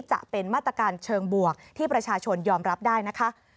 จะเป็นมาตรการเชิงบวกที่ประชาชนยอมรับได้นะคะ